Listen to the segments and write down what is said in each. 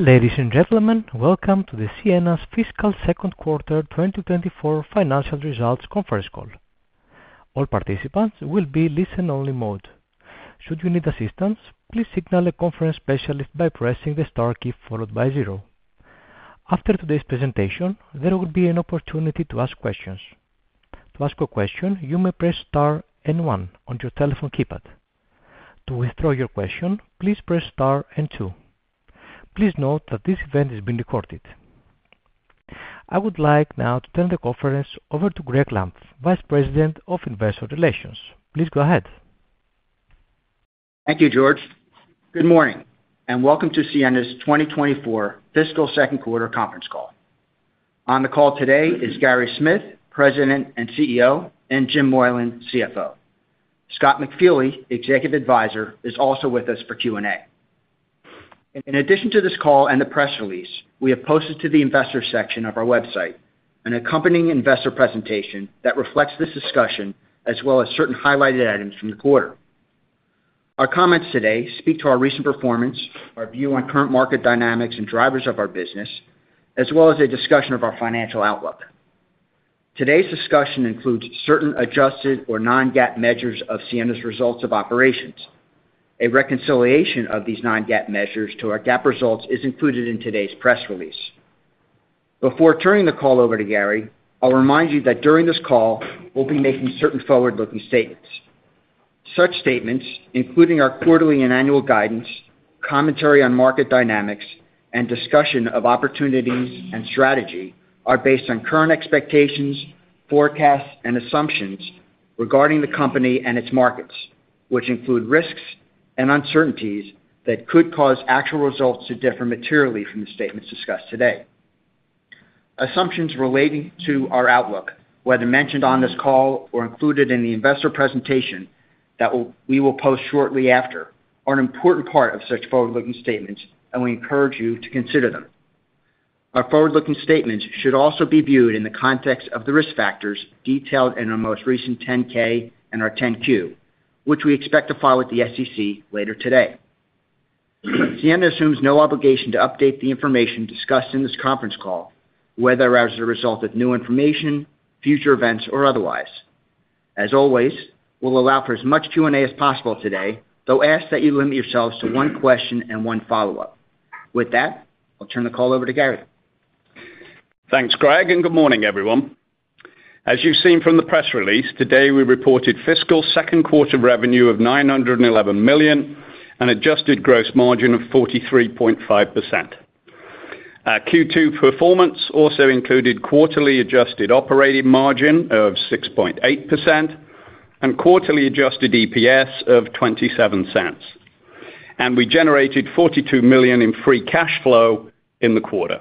Ladies and gentlemen, welcome to Ciena fiscal Q2 2024 financial results Conference Call. All participants will be listen-only mode. Should you need assistance, please signal a conference specialist by pressing the star key followed by zero. After today's presentation, there will be an opportunity to ask questions. To ask a question, you may press star and one on your telephone keypad. To withdraw your question, please press star and two. Please note that this event is being recorded. I would like now to turn the conference over to Gregg Lampf, Vice President of Investor Relations. Please go ahead. Thank you, George. Good morning, and welcome to Ciena 2024 fiscal Q2 Conference Call. On the call today is Gary Smith, President and CEO, and James Moylan, CFO. Scott McFeely, Executive Advisor, is also with us for Q&A. In addition to this call and the press release, we have posted to the investor section of our website, an accompanying investor presentation that reflects this discussion, as well as certain highlighted items from the quarter. Our comments today speak to our recent performance, our view on current market dynamics and drivers of our business, as well as a discussion of our financial outlook. Today's discussion includes certain adjusted or non-GAAP measures of Ciena results of operations. A reconciliation of these non-GAAP measures to our GAAP results is included in today's press release. Before turning the call over to Gary, I'll remind you that during this call, we'll be making certain forward-looking statements. Such statements, including our quarterly and annual guidance, commentary on market dynamics, and discussion of opportunities and strategy, are based on current expectations, forecasts, and assumptions regarding the company and its markets, which include risks and uncertainties that could cause actual results to differ materially from the statements discussed today. Assumptions relating to our outlook, whether mentioned on this call or included in the investor presentation that we will post shortly after, are an important part of such forward-looking statements, and we encourage you to consider them. Our forward-looking statements should also be viewed in the context of the risk factors detailed in our most recent 10-K and our 10-Q, which we expect to file with the SEC later today. Ciena assumes no obligation to update the information discussed in this Conference Call, whether as a result of new information, future events, or otherwise. As always, we'll allow for as much Q&A as possible today, though ask that you limit yourselves to one question and one follow-up. With that, I'll turn the call over to Gary. Thanks, Greg, and good morning, everyone. As you've seen from the press release, today, we reported fiscal Q2 revenue of $911 million and adjusted gross margin of 43.5%. Our Q2 performance also included quarterly adjusted operating margin of 6.8% and quarterly adjusted EPS of $0.27. And we generated $42 million in free cash flow in the quarter.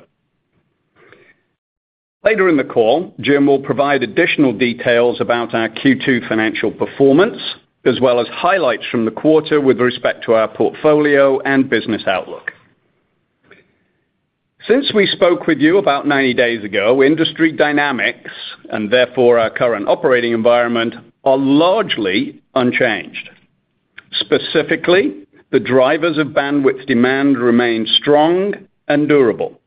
Later in the call, James will provide additional details about our Q2 financial performance, as well as highlights from the quarter with respect to our portfolio and business outlook. Since we spoke with you about 90 days ago, industry dynamics, and therefore our current operating environment, are largely unchanged. Specifically, the drivers of bandwidth demand remain strong and durable.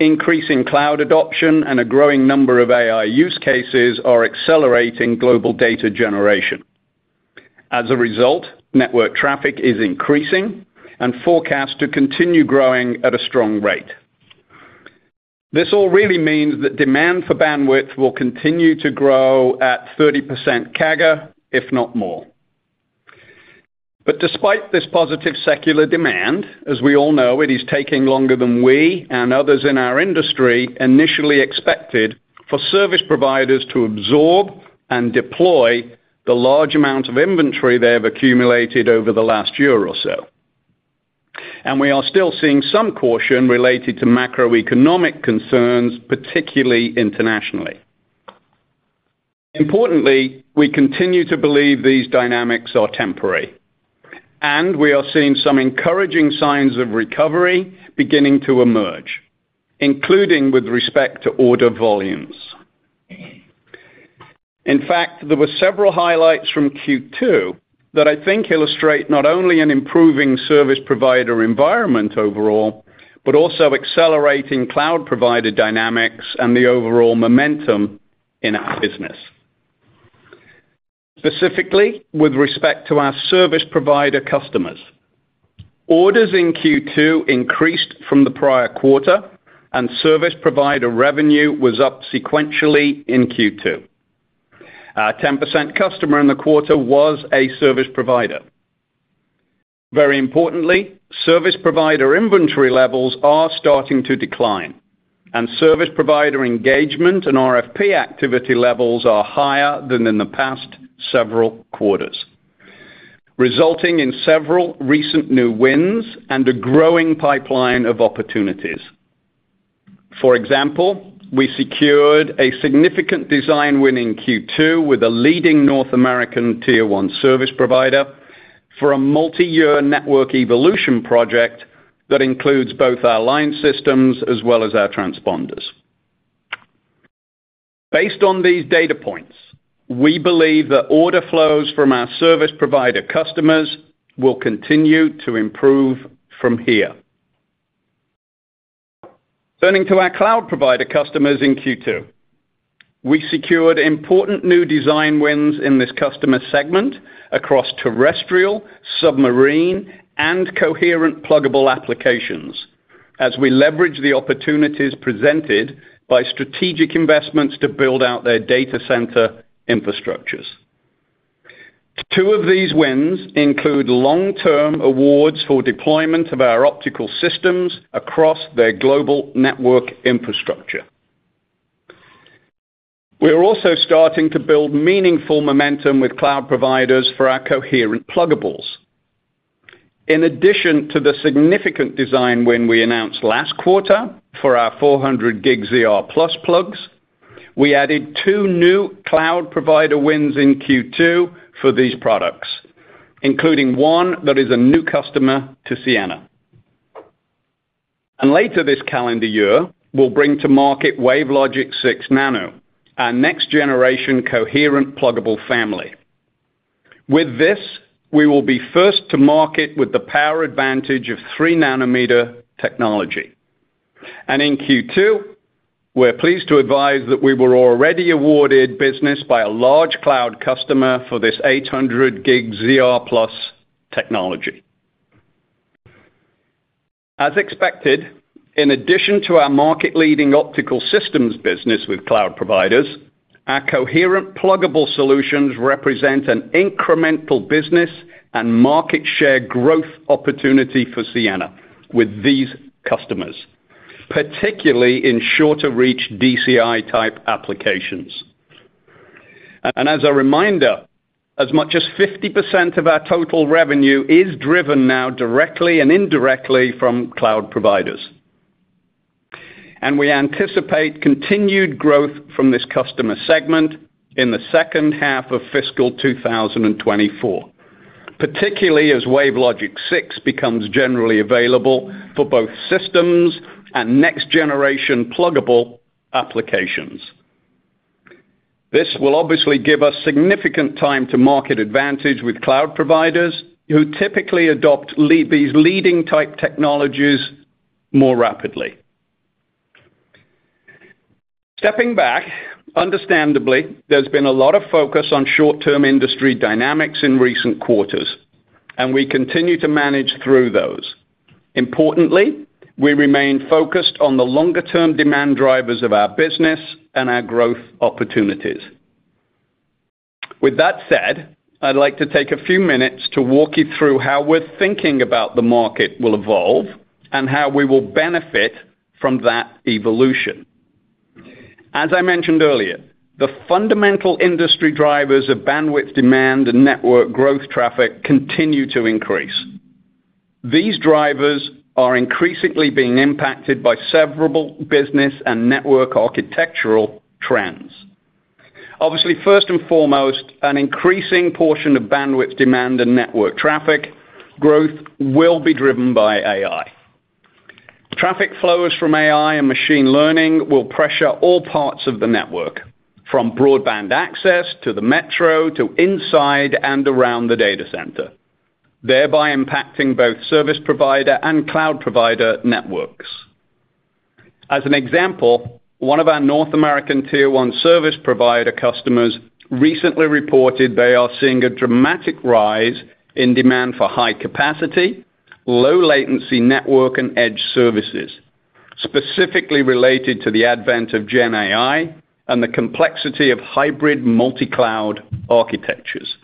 Increasing cloud adoption and a growing number of AI use cases are accelerating global data generation. As a result, network traffic is increasing and forecast to continue growing at a strong rate. This all really means that demand for bandwidth will continue to grow at 30% CAGR, if not more. But despite this positive secular demand, as we all know, it is taking longer than we and others in our industry initially expected for service providers to absorb and deploy the large amount of inventory they have accumulated over the last year or so. And we are still seeing some caution related to macroeconomic concerns, particularly internationally. Importantly, we continue to believe these dynamics are temporary, and we are seeing some encouraging signs of recovery beginning to emerge, including with respect to order volumes. In fact, there were several highlights from Q2 that I think illustrate not only an improving service provider environment overall, but also accelerating cloud provider dynamics and the overall momentum in our business. Specifically, with respect to our service provider customers, orders in Q2 increased from the prior quarter, and service provider revenue was up sequentially in Q2. Our 10% customer in the quarter was a service provider. Very importantly, service provider inventory levels are starting to decline, and service provider engagement and RFP activity levels are higher than in the past several quarters, resulting in several recent new wins and a growing pipeline of opportunities. For example, we secured a significant design win in Q2 with a leading North American Tier 1 service provider for a multi-year network evolution project that includes both our line systems as well as our transponders. Based on these data points, we believe that order flows from our service provider customers will continue to improve from here. Turning to our cloud provider customers in Q2. We secured important new design wins in this customer segment across terrestrial, submarine, and coherent pluggable applications as we leverage the opportunities presented by strategic investments to build out their data center infrastructures. Two of these wins include long-term awards for deployment of our optical systems across their global network infrastructure. We are also starting to build meaningful momentum with cloud providers for our coherent pluggables. In addition to the significant design win we announced last quarter for our 400G ZR+ pluggables, we added two new cloud provider wins in Q2 for these products, including one that is a new customer to Ciena. Later this calendar year, we'll bring to market WaveLogic 6 Nano, our next generation coherent pluggable family. With this, we will be first to market with the power advantage of 3nm technology. In Q2, we're pleased to advise that we were already awarded business by a large cloud customer for this 800G ZR+ technology. As expected, in addition to our market-leading optical systems business with cloud providers, our coherent pluggable solutions represent an incremental business and market share growth opportunity for Ciena with these customers, particularly in shorter-reach DCI-type applications. As a reminder, as much as 50% of our total revenue is driven now directly and indirectly from cloud providers. We anticipate continued growth from this customer segment in the second half of fiscal 2024, particularly as WaveLogic 6 becomes generally available for both systems and next-generation pluggable applications. This will obviously give us significant time to market advantage with cloud providers, who typically adopt these leading-type technologies more rapidly. Stepping back, understandably, there's been a lot of focus on short-term industry dynamics in recent quarters, and we continue to manage through those. Importantly, we remain focused on the longer-term demand drivers of our business and our growth opportunities. With that said, I'd like to take a few minutes to walk you through how we're thinking about the market will evolve and how we will benefit from that evolution. As I mentioned earlier, the fundamental industry drivers of bandwidth demand and network growth traffic continue to increase. These drivers are increasingly being impacted by several business and network architectural trends. Obviously, first and foremost, an increasing portion of bandwidth demand and network traffic growth will be driven by AI. Traffic flows from AI and machine learning will pressure all parts of the network, from broadband access to the metro to inside and around the data center, thereby impacting both service provider and cloud provider networks. As an example, one of our North American Tier One service provider customers recently reported they are seeing a dramatic rise in demand for high capacity, low latency network and edge services, specifically related to the advent of Gen AI and the complexity of hybrid multi-cloud architectures.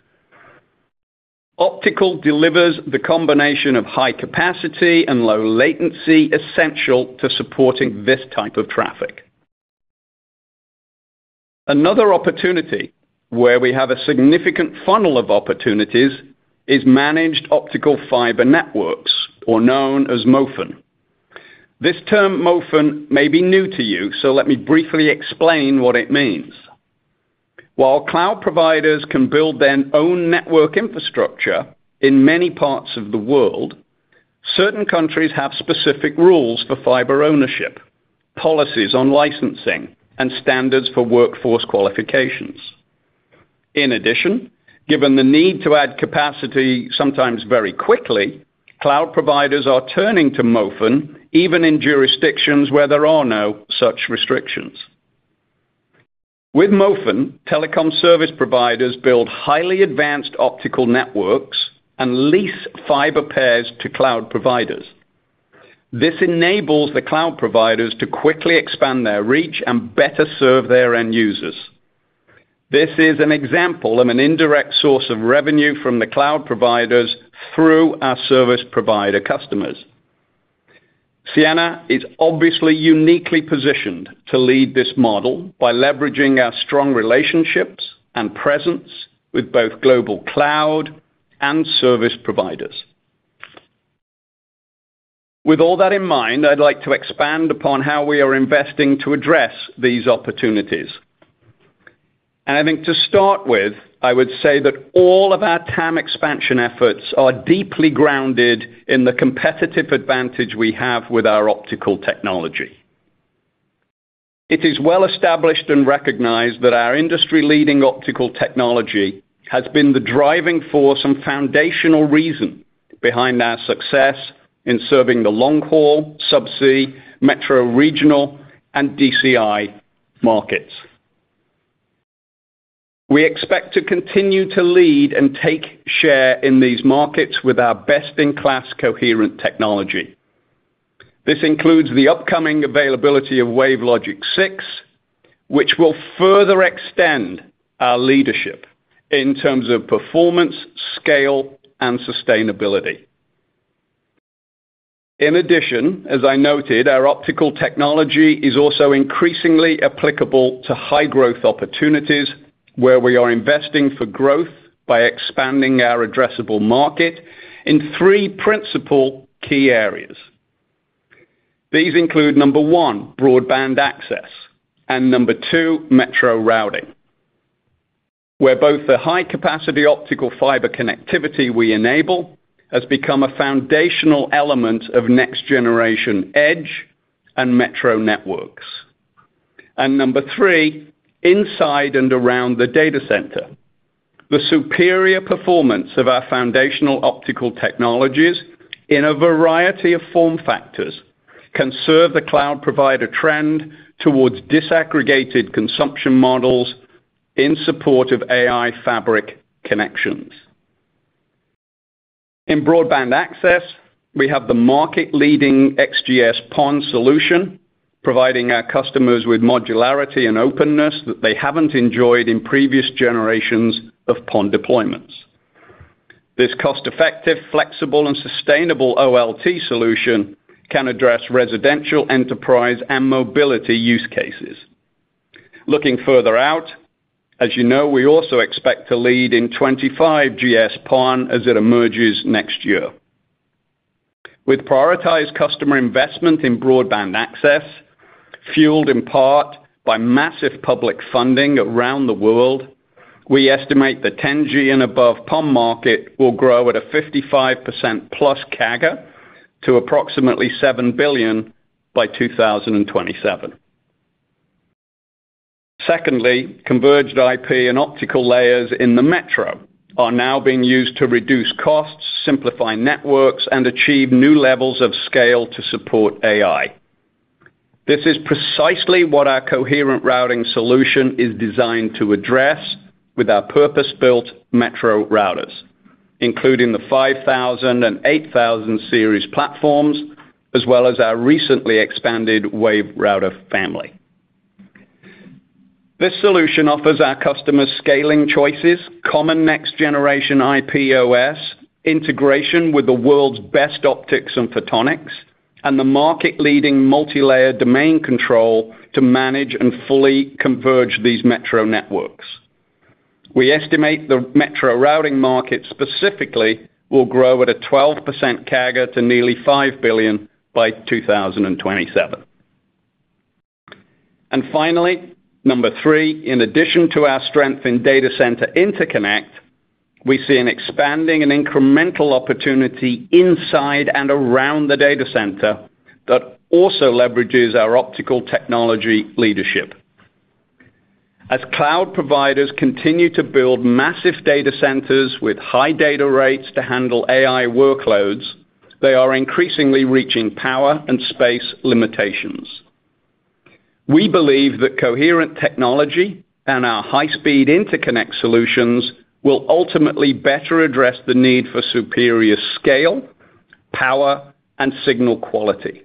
Optical delivers the combination of high capacity and low latency essential to supporting this type of traffic. Another opportunity where we have a significant funnel of opportunities is managed optical fiber networks, or known as MOFN. This term, MOFN, may be new to you, so let me briefly explain what it means. While cloud providers can build their own network infrastructure in many parts of the world, certain countries have specific rules for fiber ownership, policies on licensing, and standards for workforce qualifications. In addition, given the need to add capacity, sometimes very quickly, cloud providers are turning to MOFN, even in jurisdictions where there are no such restrictions. With MOFN, telecom service providers build highly advanced optical networks and lease fiber pairs to cloud providers. This enables the cloud providers to quickly expand their reach and better serve their end users. This is an example of an indirect source of revenue from the cloud providers through our service provider customers. Ciena is obviously uniquely positioned to lead this model by leveraging our strong relationships and presence with both global cloud and service providers. With all that in mind, I'd like to expand upon how we are investing to address these opportunities... I think to start with, I would say that all of our TAM expansion efforts are deeply grounded in the competitive advantage we have with our optical technology. It is well established and recognized that our industry-leading optical technology has been the driving force and foundational reason behind our success in serving the long-haul, subsea, metro regional, and DCI markets. We expect to continue to lead and take share in these markets with our best-in-class coherent technology. This includes the upcoming availability of WaveLogic 6, which will further extend our leadership in terms of performance, scale, and sustainability. In addition, as I noted, our optical technology is also increasingly applicable to high-growth opportunities, where we are investing for growth by expanding our addressable market in three principal key areas. These include, number one, broadband access, and number two, metro routing, where both the high-capacity optical fiber connectivity we enable has become a foundational element of next-generation edge and metro networks. Number three, inside and around the data center. The superior performance of our foundational optical technologies in a variety of form factors can serve the Cloud Provider trend towards disaggregated consumption models in support of AI fabric connections. In Broadband Access, we have the market-leading XGS-PON solution, providing our customers with modularity and openness that they haven't enjoyed in previous generations of PON deployments. This cost-effective, flexible, and sustainable OLT solution can address residential, enterprise, and mobility use cases. Looking further out, as you know, we also expect to lead in 25GS-PON as it emerges next year. With prioritized customer investment in broadband access, fueled in part by massive public funding around the world, we estimate the 10G and above PON market will grow at a 55%+ CAGR to approximately $7 billion by 2027. Secondly, converged IP and optical layers in the metro are now being used to reduce costs, simplify networks, and achieve new levels of scale to support AI. This is precisely what our coherent routing solution is designed to address with our purpose-built metro routers, including the 5,000 and 8,000 series platforms, as well as our recently expanded WaveRouter family. This solution offers our customers scaling choices, common next-generation IPOS, integration with the world's best optics and photonics, and the market-leading multilayer domain control to manage and fully converge these metro networks. We estimate the metro routing market specifically will grow at a 12% CAGR to nearly $5 billion by 2027. Finally, number 3, in addition to our strength in data center interconnect, we see an expanding and incremental opportunity inside and around the data center that also leverages our optical technology leadership. As cloud providers continue to build massive data centers with high data rates to handle AI workloads, they are increasingly reaching power and space limitations. We believe that coherent technology and our high-speed interconnect solutions will ultimately better address the need for superior scale, power, and signal quality.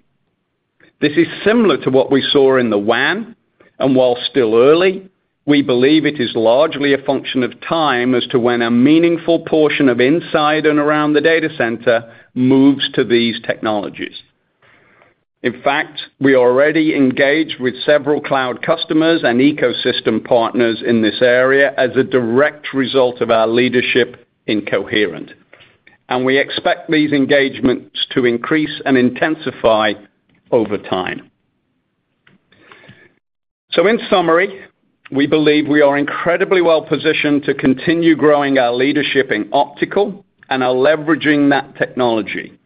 This is similar to what we saw in the WAN, and while still early, we believe it is largely a function of time as to when a meaningful portion of inside and around the data center moves to these technologies. In fact, we are already engaged with several cloud customers and ecosystem partners in this area as a direct result of our leadership in coherent, and we expect these engagements to increase and intensify over time. So in summary, we believe we are incredibly well positioned to continue growing our leadership in optical and are leveraging that technology,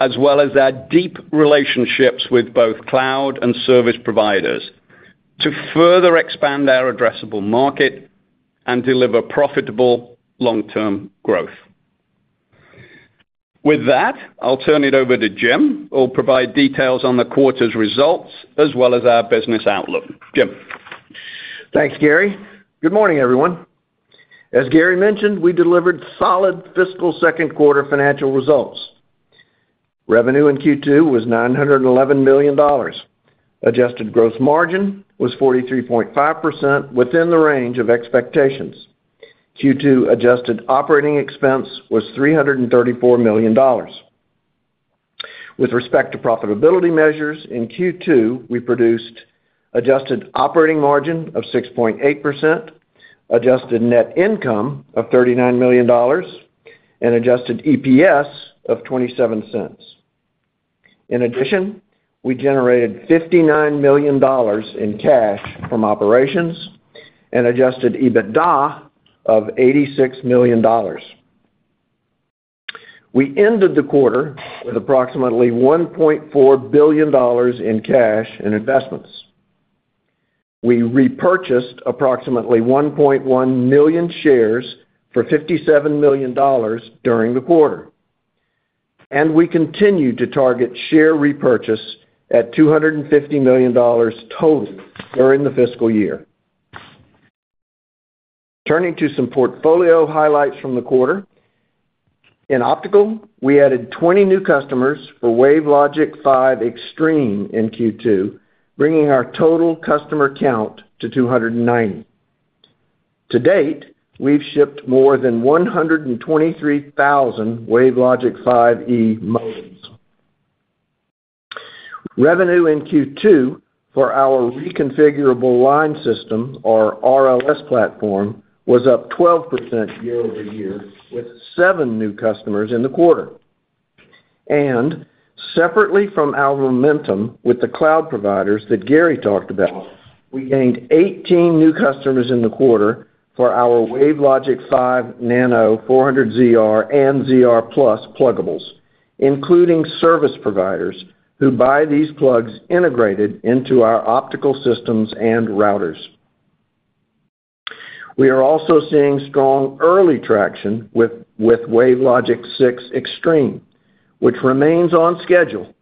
as well as our deep relationships with both cloud and service providers, to further expand our addressable market and deliver profitable long-term growth. With that, I'll turn it over to James, who'll provide details on the quarter's results as well as our business outlook. James? Thanks, Gary. Good morning, everyone. As Gary mentioned, we delivered solid fiscal Q2 financial results. Revenue in Q2 was $911 million. Adjusted gross margin was 43.5%, within the range of expectations. Q2 adjusted operating expense was $334 million. With respect to profitability measures, in Q2, we produced adjusted operating margin of 6.8%, adjusted net income of $39 million, and adjusted EPS of $0.27.... In addition, we generated $59 million in cash from operations and adjusted EBITDA of $86 million. We ended the quarter with approximately $1.4 billion in cash and investments. We repurchased approximately 1.1 million shares for $57 million during the quarter, and we continue to target share repurchase at $250 million total during the fiscal year. Turning to some portfolio highlights from the quarter. In Optical, we added 20 new customers for WaveLogic 5 Extreme in Q2, bringing our total customer count to 290. To date, we've shipped more than 123,000 WaveLogic 5e modems. Revenue in Q2 for our Reconfigurable Line System, or RLS platform, was up 12% year-over-year, with 7 new customers in the quarter. And separately from our momentum with the cloud providers that Gary talked about, we gained 18 new customers in the quarter for our WaveLogic 5 Nano 400ZR and ZR+ pluggables, including service providers who buy these pluggables integrated into our optical systems and routers. We are also seeing strong early traction with WaveLogic 6 Extreme, which remains on schedule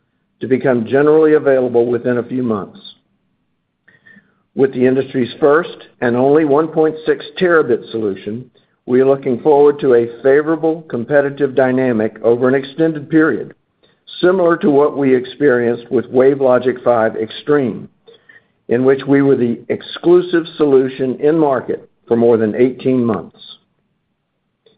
to become generally available within a few months. With the industry's first and only 1.6 terabit solution, we are looking forward to a favorable competitive dynamic over an extended period, similar to what we experienced with WaveLogic 5 Extreme, in which we were the exclusive solution in market for more than 18 months.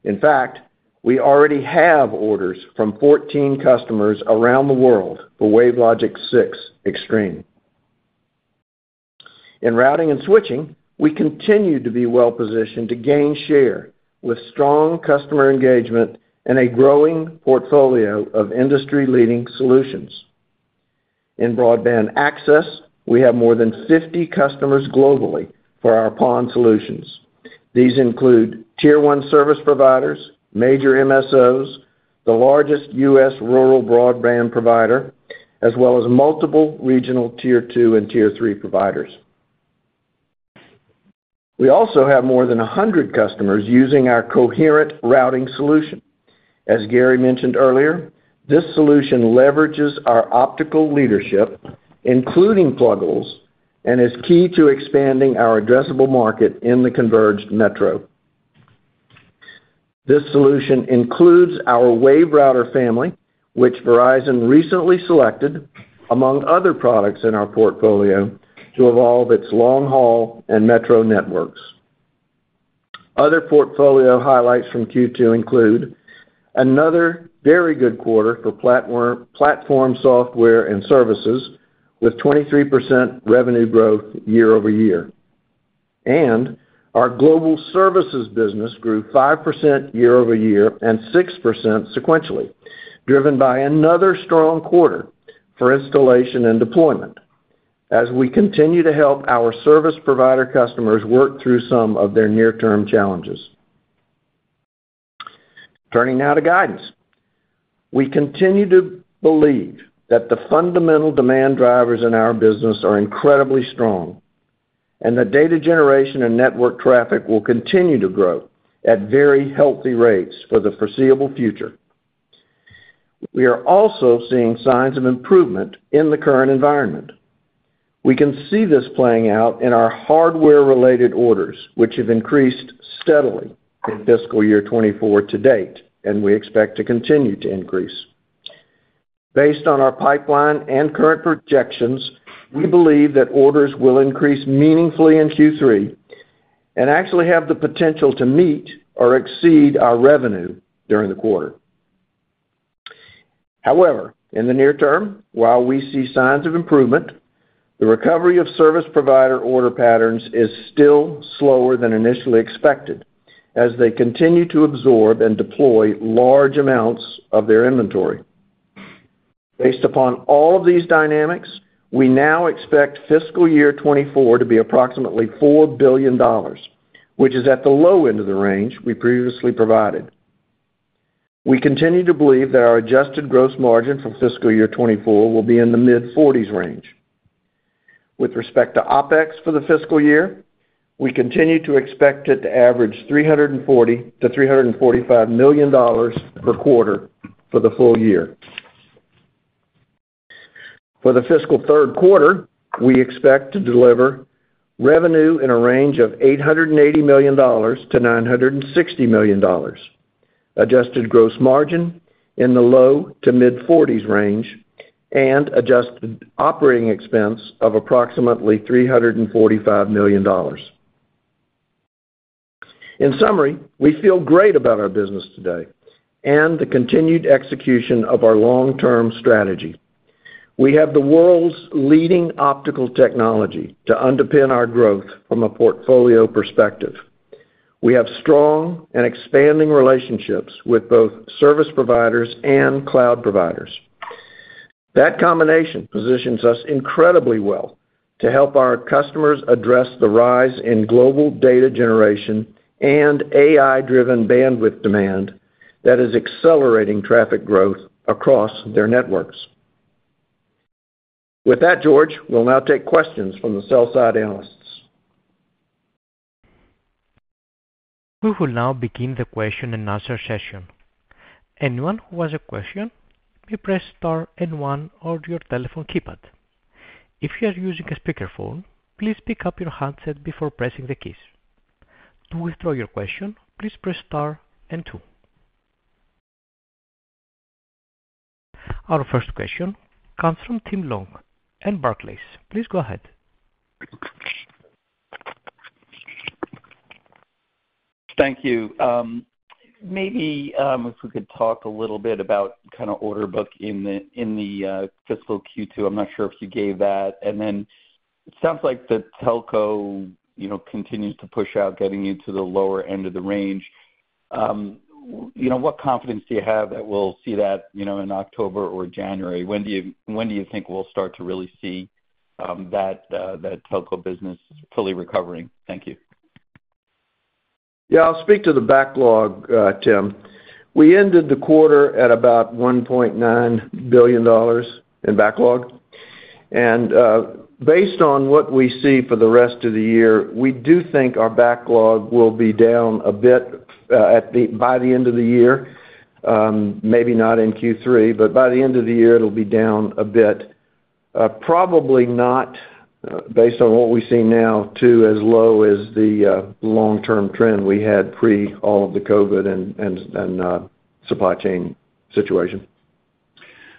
In fact, we already have orders from 14 customers around the world for WaveLogic 6 Extreme. In Routing and Switching, we continue to be well positioned to gain share with strong customer engagement and a growing portfolio of industry-leading solutions. In Broadband Access, we have more than 50 customers globally for our PON solutions. These include Tier One service providers, major MSOs, the largest U.S. rural broadband provider, as well as multiple regional Tier 2 and Tier 3 providers. We also have more than 100 customers using our coherent routing solution. As Gary mentioned earlier, this solution leverages our optical leadership, including pluggables, and is key to expanding our addressable market in the converged metro. This solution includes our WaveRouter family, which Verizon recently selected, among other products in our portfolio, to evolve its long-haul and metro networks. Other portfolio highlights from Q2 include another very good quarter for platform, Platform Software and Services with 23% revenue growth year-over-year. Our Global Services business grew 5% year-over-year and 6% sequentially, driven by another strong quarter for installation and deployment as we continue to help our service provider customers work through some of their near-term challenges. Turning now to guidance. We continue to believe that the fundamental demand drivers in our business are incredibly strong, and that data generation and network traffic will continue to grow at very healthy rates for the foreseeable future. We are also seeing signs of improvement in the current environment. We can see this playing out in our hardware-related orders, which have increased steadily in fiscal year 2024 to date, and we expect to continue to increase. Based on our pipeline and current projections, we believe that orders will increase meaningfully in Q3 and actually have the potential to meet or exceed our revenue during the quarter. However, in the near term, while we see signs of improvement, the recovery of service provider order patterns is still slower than initially expected, as they continue to absorb and deploy large amounts of their inventory. Based upon all of these dynamics, we now expect fiscal year 2024 to be approximately $4 billion, which is at the low end of the range we previously provided. We continue to believe that our adjusted gross margin for fiscal year 2024 will be in the mid-40s range. With respect to OpEx for the fiscal year, we continue to expect it to average $340 million-$345 million per quarter for the full year. For the fiscal Q3, we expect to deliver revenue in a range of $880 million-$960 million, adjusted gross margin in the low- to mid-40s range, and adjusted operating expense of approximately $345 million. In summary, we feel great about our business today and the continued execution of our long-term strategy. We have the world's leading optical technology to underpin our growth from a portfolio perspective.... we have strong and expanding relationships with both service providers and cloud providers. That combination positions us incredibly well to help our customers address the rise in global data generation and AI-driven bandwidth demand that is accelerating traffic growth across their networks. With that, George, we'll now take questions from the sell-side analysts. We will now begin the question-and-answer session. Anyone who has a question, please press star and one on your telephone keypad. If you are using a speakerphone, please pick up your handset before pressing the keys. To withdraw your question, please press star and two. Our first question comes from Tim Long in Barclays. Please go ahead. Thank you. Maybe, if we could talk a little bit about kind of order book in the fiscal Q2. I'm not sure if you gave that. And then it sounds like the telco, you know, continues to push out, getting you to the lower end of the range. You know, what confidence do you have that we'll see that, you know, in October or January? When do you think we'll start to really see that telco business fully recovering? Thank you. Yeah, I'll speak to the backlog, Tim. We ended the quarter at about $1.9 billion in backlog. Based on what we see for the rest of the year, we do think our backlog will be down a bit, by the end of the year, maybe not in Q3, but by the end of the year, it'll be down a bit. Probably not, based on what we see now, to as low as the, long-term trend we had pre all of the COVID and supply chain situation.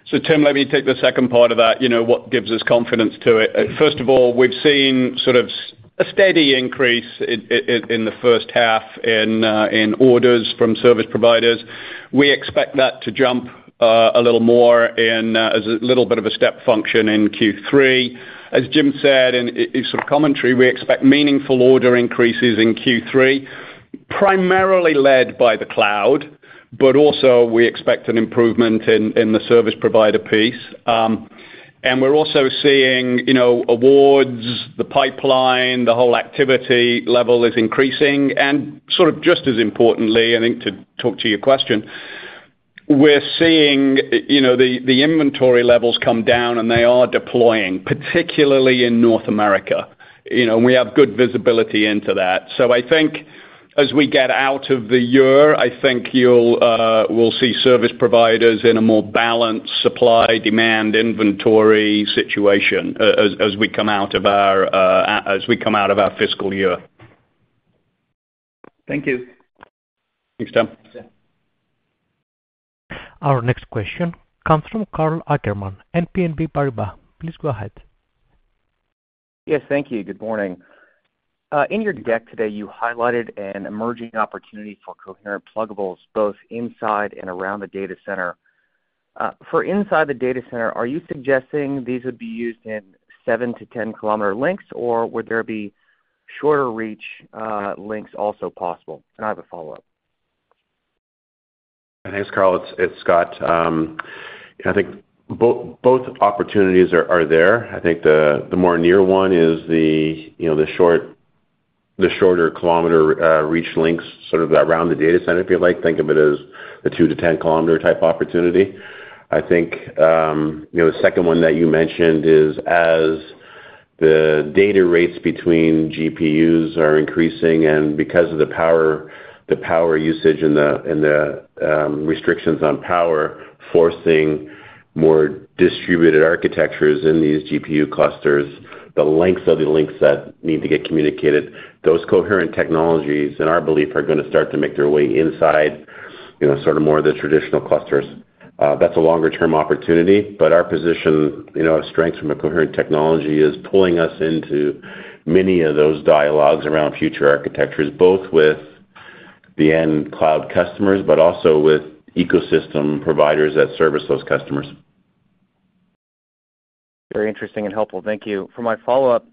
So Tim, let me take the second part of that, you know, what gives us confidence to it? First of all, we've seen sort of a steady increase in the first half in orders from service providers. We expect that to jump a little more in as a little bit of a step function in Q3. As James said, in some commentary, we expect meaningful order increases in Q3, primarily led by the cloud, but also we expect an improvement in the service provider piece. And we're also seeing, you know, awards, the pipeline, the whole activity level is increasing. And sort of just as importantly, I think, to talk to your question, we're seeing, you know, the inventory levels come down and they are deploying, particularly in North America. You know, and we have good visibility into that.I think as we get out of the year, I think we'll see service providers in a more balanced supply, demand, inventory situation, as we come out of our fiscal year. Thank you. Thanks, Tim. Thanks, Tim. Our next question comes from Karl Ackerman, BNP Paribas. Please go ahead. Yes, thank you. Good morning. In your deck today, you highlighted an emerging opportunity for coherent pluggables, both inside and around the data center. For inside the data center, are you suggesting these would be used in 7-10-kilometer links, or would there be shorter reach, links also possible? And I have a follow-up. Thanks, Carl. It's Scott. I think both opportunities are there. I think the more near one is the, you know, the shorter kilometer reach links, sort of around the data center, if you like. Think of it as a 2-10-kilometer type opportunity. I think, you know, the second one that you mentioned is as the data rates between GPUs are increasing and because of the power, the power usage and the restrictions on power, forcing more distributed architectures in these GPU clusters, the lengths of the links that need to get communicated, those coherent technologies, in our belief, are going to start to make their way inside, you know, sort of more the traditional clusters. That's a longer-term opportunity, but our position, you know, our strengths from a coherent technology is pulling us into many of those dialogues around future architectures, both with the end cloud customers, but also with ecosystem providers that service those customers. Very interesting and helpful. Thank you. For my follow-up,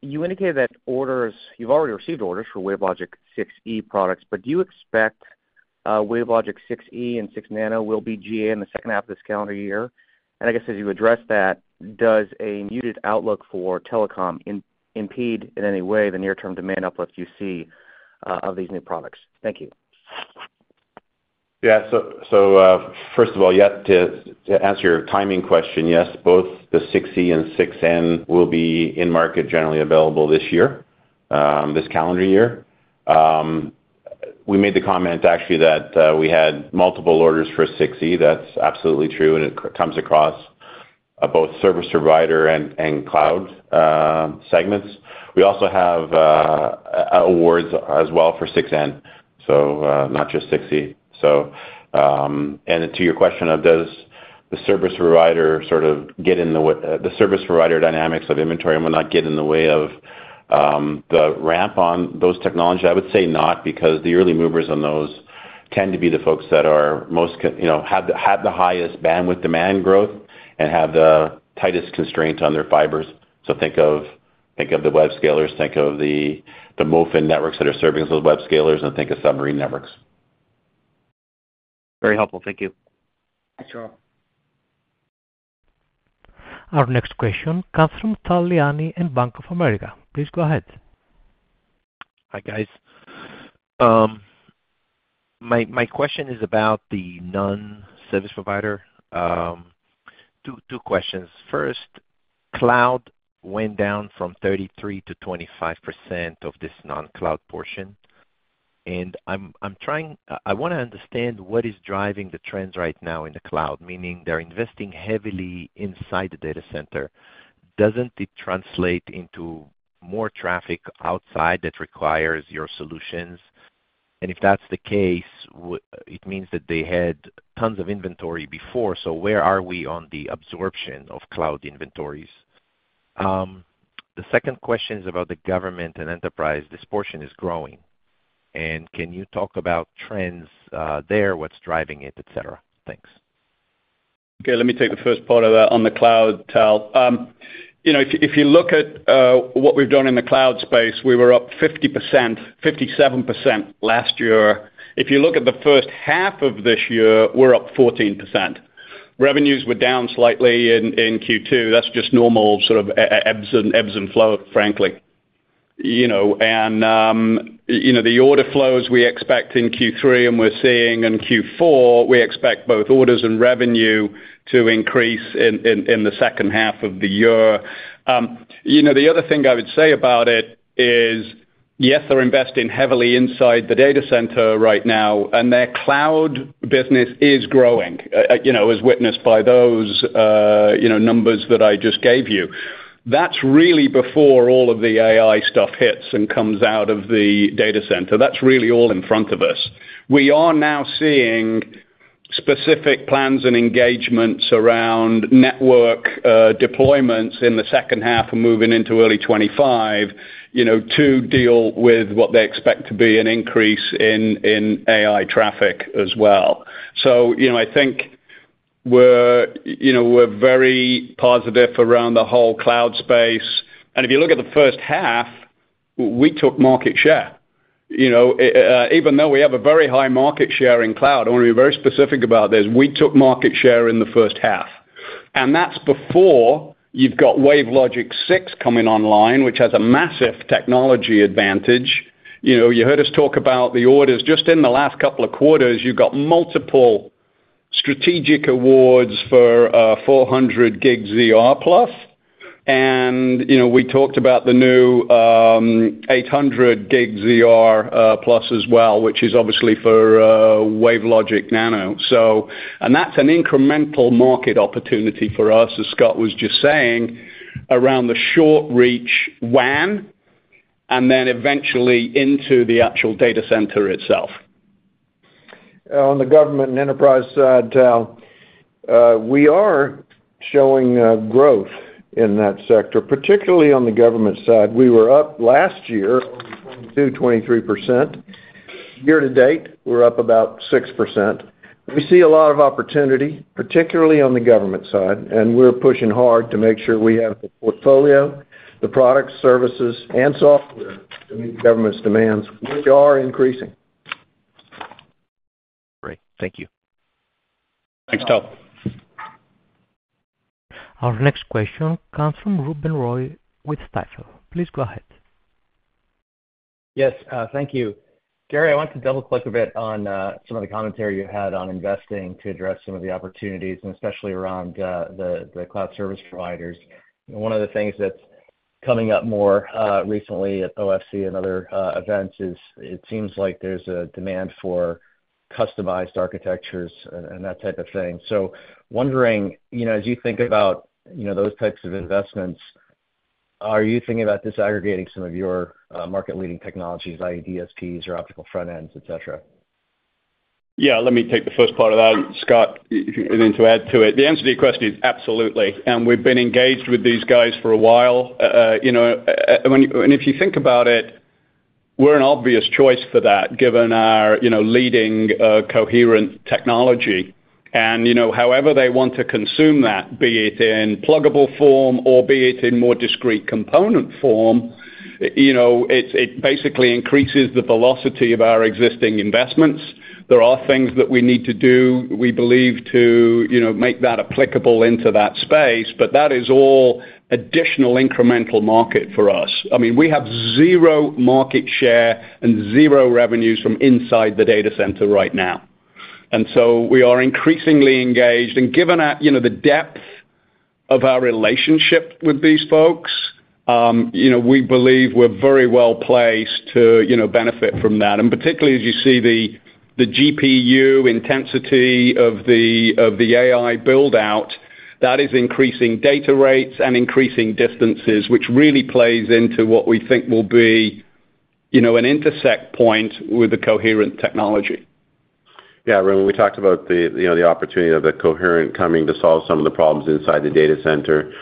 you indicated that orders—you've already received orders for WaveLogic 6e products, but do you expect WaveLogic 6e and 6 Nano will be GA in the second half of this calendar year? And I guess as you address that, does a muted outlook for telecom impede in any way the near-term demand uplift you see of these new products? Thank you. Yeah. So, so, first of all, yeah, to, to answer your timing question, yes, both the 6e and 6N will be in market, generally available this year, this calendar year. We made the comment actually, that, we had multiple orders for 6e. That's absolutely true, and it comes across, both service provider and, and cloud segments. We also have awards as well for 6N, so, not just 6e. So, and then to your question of does the service provider sort of get in the, the service provider dynamics of inventory, will not get in the way of, the ramp on those technologies? I would say not, because the early movers on those... tend to be the folks that are most, you know, have the highest bandwidth demand growth and have the tightest constraints on their fibers. So think of, think of the webscalers, think of the, the MOFN networks that are serving as those webscalers, and think of submarine networks. Very helpful. Thank you. Thanks, Karl. Our next question comes from Tal Liani in Bank of America. Please go ahead. Hi, guys. My question is about the non-service provider. Two questions. First, cloud went down from 33% to 25% of this non-cloud portion, and I'm trying to understand what is driving the trends right now in the cloud, meaning they're investing heavily inside the data center. Doesn't it translate into more traffic outside that requires your solutions? And if that's the case, it means that they had tons of inventory before. So where are we on the absorption of cloud inventories? The second question is about the government and enterprise. This portion is growing, and can you talk about trends there, what's driving it, et cetera? Thanks. Okay, let me take the first part of that on the cloud, Tal. You know, if you look at what we've done in the cloud space, we were up 50%, 57% last year. If you look at the first half of this year, we're up 14%. Revenues were down slightly in Q2. That's just normal, sort of, ebbs and flow, frankly. You know, the order flows we expect in Q3, and we're seeing in Q4, we expect both orders and revenue to increase in the second half of the year. You know, the other thing I would say about it is, yes, they're investing heavily inside the data center right now, and their cloud business is growing, you know, as witnessed by those numbers that I just gave you. That's really before all of the AI stuff hits and comes out of the data center. That's really all in front of us. We are now seeing specific plans and engagements around network deployments in the second half and moving into early 25, you know, to deal with what they expect to be an increase in AI traffic as well. So, you know, I think we're very positive around the whole cloud space. And if you look at the first half, we took market share. You know, even though we have a very high market share in cloud, I want to be very specific about this, we took market share in the first half. And that's before you've got WaveLogic 6 coming online, which has a massive technology advantage. You know, you heard us talk about the orders. Just in the last couple of quarters, you've got multiple strategic awards for 400G ZR+, and, you know, we talked about the new 800G ZR+ as well, which is obviously for WaveLogic Nano. So, and that's an incremental market opportunity for us, as Scott was just saying, around the short-reach WAN, and then eventually into the actual data center itself. On the government and enterprise side, Tal, we are showing growth in that sector, particularly on the government side. We were up last year, 22%-23%. Year to date, we're up about 6%. We see a lot of opportunity, particularly on the government side, and we're pushing hard to make sure we have the portfolio, the products, services, and software to meet the government's demands, which are increasing. Great. Thank you. Thanks, Tal. Our next question comes from Ruben Roy with Stifel. Please go ahead. Yes, thank you. Gary, I want to double-click a bit on some of the commentary you had on investing to address some of the opportunities and especially around the cloud service providers. One of the things that's coming up more recently at OFC and other events is it seems like there's a demand for customized architectures and that type of thing. So wondering, you know, as you think about, you know, those types of investments, are you thinking about disaggregating some of your market-leading technologies, i.e., DSPs or optical front ends, et cetera? Yeah, let me take the first part of that. Scott, if you need to add to it. The answer to your question is absolutely, and we've been engaged with these guys for a while. You know, and when you—and if you think about it, we're an obvious choice for that, given our, you know, leading, uh, coherent technology. And, you know, however they want to consume that, be it in pluggable form or be it in more discrete component form, you know, it, it basically increases the velocity of our existing investments. There are things that we need to do, we believe, to, you know, make that applicable into that space, but that is all additional incremental market for us. I mean, we have zero market share and zero revenues from inside the data center right now. So we are increasingly engaged, and given our, you know, the depth of our relationship with these folks, you know, we believe we're very well placed to, you know, benefit from that. And particularly, as you see the GPU intensity of the AI build-out, that is increasing data rates and increasing distances, which really plays into what we think will be, you know, an intersection point with the coherent technology. Yeah, Ruben, we talked about the, you know, the opportunity of the coherent coming to solve some of the problems inside the data center.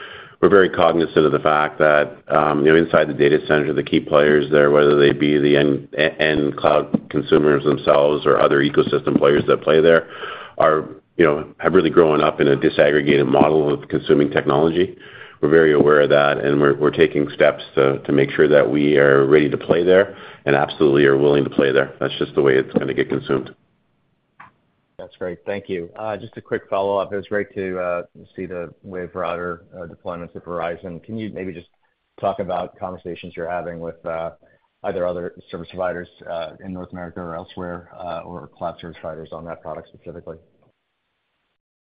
We're very cognizant of the fact that, you know, inside the data center, the key players there, whether they be the end cloud consumers themselves or other ecosystem players that play there, are, you know, have really grown up in a disaggregated model of consuming technology. We're very aware of that, and we're taking steps to make sure that we are ready to play there and absolutely are willing to play there. That's just the way it's gonna get consumed. That's great. Thank you. Just a quick follow-up. It was great to see the WaveRouter deployments at Verizon. Can you maybe just talk about conversations you're having with either other service providers in North America or elsewhere or cloud service providers on that product specifically?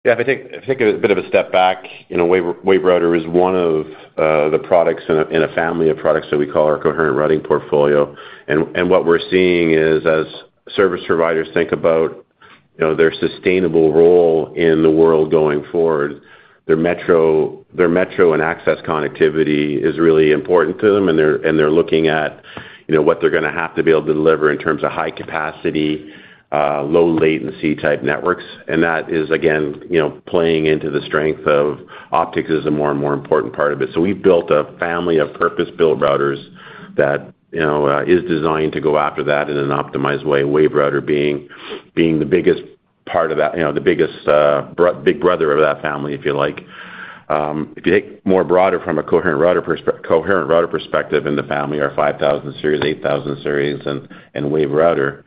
Yeah, if I take a bit of a step back, you know, WaveRouter is one of the products in a family of products that we call our coherent routing portfolio. And what we're seeing is, as service providers think about, you know, their sustainable role in the world going forward, their metro and access connectivity is really important to them, and they're looking at, you know, what they're gonna have to be able to deliver in terms of high capacity, low latency type networks. And that is, again, you know, playing into the strength of optics as a more and more important part of it. So we've built a family of purpose-built routers that, you know, is designed to go after that in an optimized way. WaveRouter being the biggest part of that, you know, the biggest big brother of that family, if you like. If you take more broader from a coherent router perspective in the family, our 5,000 series, 8,000 series and WaveRouter,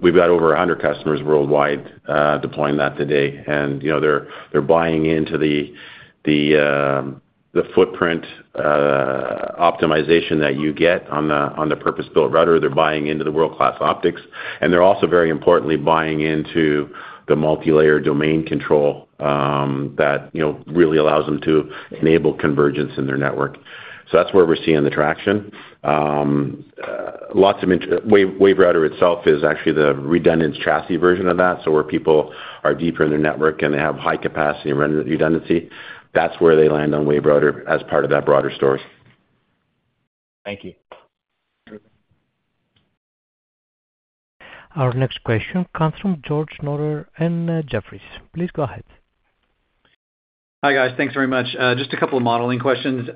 we've got over 100 customers worldwide deploying that today. You know, they're buying into the footprint optimization that you get on the purpose-built router. They're buying into the world-class optics, and they're also, very importantly, buying into the multilayer domain control that, you know, really allows them to enable convergence in their network. So that's where we're seeing the traction. WaveRouter itself is actually the redundant chassis version of that. So where people are deeper in their network, and they have high capacity and redundancy, that's where they land on WaveRouter as part of that broader story. Thank you. Our next question comes from George Notter in Jefferies. Please go ahead. Hi, guys. Thanks very much. Just a couple of modeling questions.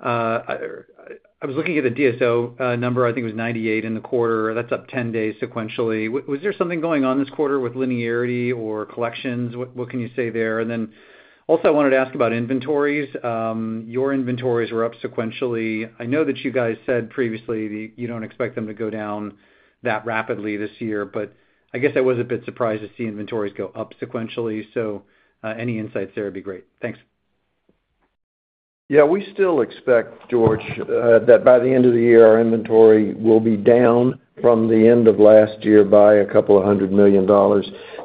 I was looking at the DSO number. I think it was 98 in the quarter. That's up 10 days sequentially. Was there something going on this quarter with linearity or collections? What can you say there? And then also, I wanted to ask about inventories. Your inventories were up sequentially. I know that you guys said previously that you don't expect them to go down that rapidly this year, but I guess I was a bit surprised to see inventories go up sequentially. So, any insights there would be great. Thanks. Yeah, we still expect, George, that by the end of the year, our inventory will be down from the end of last year by $200 million.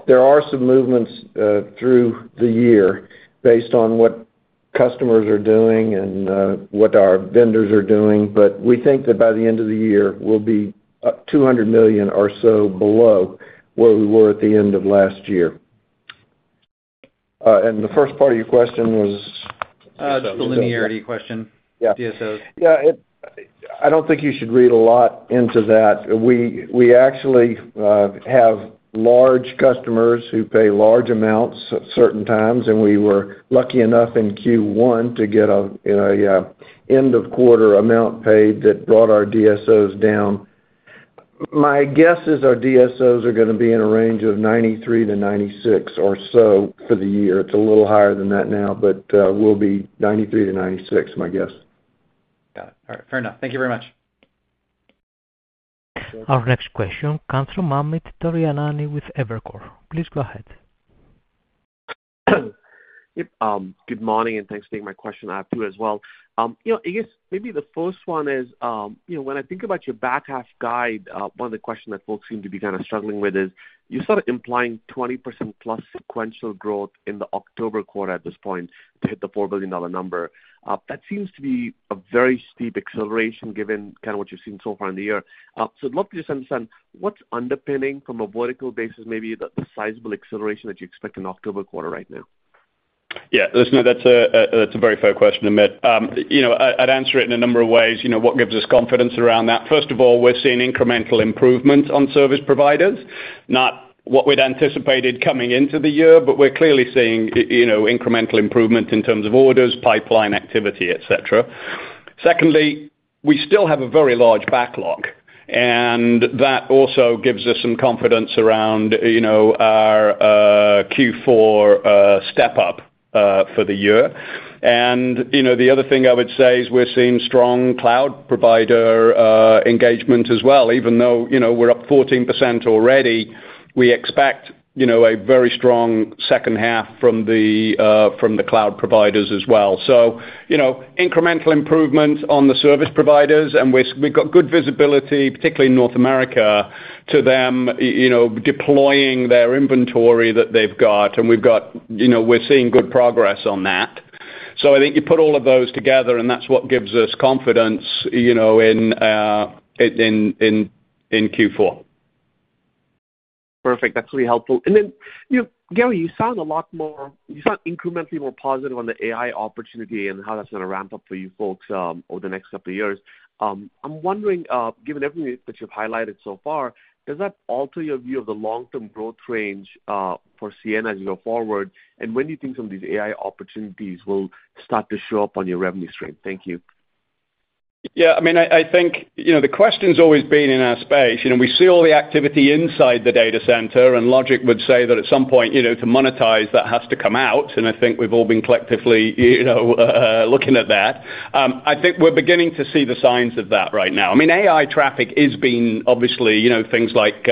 There are some movements through the year based on what customers are doing and what our vendors are doing, but we think that by the end of the year, we'll be up $200 million or so below where we were at the end of last year. And the first part of your question was? Just the linearity question. Yeah. DSOs. Yeah, I don't think you should read a lot into that. We, we actually, have large customers who pay large amounts at certain times, and we were lucky enough in Q1 to get a, end of quarter amount paid that brought our DSOs down. My guess is our DSOs are gonna be in a range of 93-96 or so for the year. It's a little higher than that now, but, we'll be 93-96, my guess. Got it. All right. Fair enough. Thank you very much. Our next question comes from Amit Daryanani with Evercore. Please go ahead. Yep, good morning, and thanks for taking my question. I have two as well. You know, I guess maybe the first one is, you know, when I think about your back half guide, one of the questions that folks seem to be kind of struggling with is, you're sort of implying 20%+ sequential growth in the October quarter at this point to hit the $4 billion number. That seems to be a very steep acceleration, given kind of what you've seen so far in the year. So I'd love to just understand, what's underpinning from a vertical basis, maybe the, the sizable acceleration that you expect in October quarter right now? Yeah, listen, that's a very fair question, Amit. You know, I'd answer it in a number of ways. You know, what gives us confidence around that? First of all, we're seeing incremental improvements on service providers, not what we'd anticipated coming into the year, but we're clearly seeing, you know, incremental improvement in terms of orders, pipeline activity, et cetera. Secondly, we still have a very large backlog, and that also gives us some confidence around, you know, our, Q4, step-up, for the year. And, you know, the other thing I would say is we're seeing strong cloud provider engagement as well. Even though, you know, we're up 14% already, we expect, you know, a very strong second half from the, from the cloud providers as well. So, you know, incremental improvements on the service providers, and we've got good visibility, particularly in North America, to them, you know, deploying their inventory that they've got. And we've got. You know, we're seeing good progress on that. So I think you put all of those together, and that's what gives us confidence, you know, in Q4. Perfect. That's really helpful. And then, you know, Gary, you sound incrementally more positive on the AI opportunity and how that's going to ramp up for you folks over the next couple of years. I'm wondering, given everything that you've highlighted so far, does that alter your view of the long-term growth range for Ciena as you go forward? And when do you think some of these AI opportunities will start to show up on your revenue stream? Thank you. ... Yeah, I mean, I think, you know, the question's always been in our space, you know, we see all the activity inside the data center, and logic would say that at some point, you know, to monetize, that has to come out, and I think we've all been collectively, you know, looking at that. I think we're beginning to see the signs of that right now. I mean, AI traffic is being obviously, you know, things like,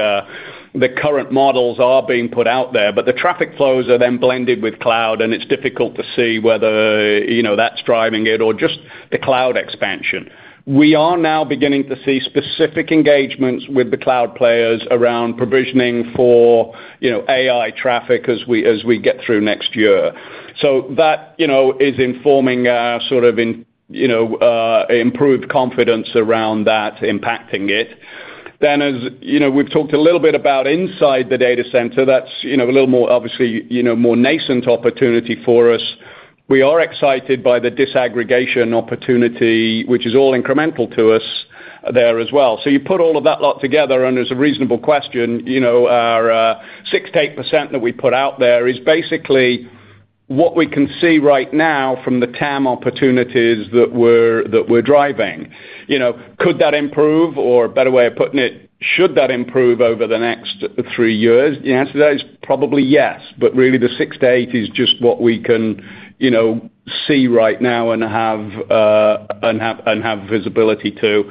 the current models are being put out there, but the traffic flows are then blended with cloud, and it's difficult to see whether, you know, that's driving it or just the cloud expansion. We are now beginning to see specific engagements with the cloud players around provisioning for, you know, AI traffic as we get through next year. So that, you know, is informing our sort of in, you know, improved confidence around that impacting it. Then, as you know, we've talked a little bit about inside the data center, that's, you know, a little more, obviously, you know, more nascent opportunity for us. We are excited by the disaggregation opportunity, which is all incremental to us there as well. So you put all of that lot together, and there's a reasonable question, you know, our, six to eight percent that we put out there is basically what we can see right now from the TAM opportunities that we're, that we're driving. You know, could that improve, or a better way of putting it, should that improve over the next three years? The answer to that is probably yes, but really, the 6-8 is just what we can, you know, see right now and have visibility to.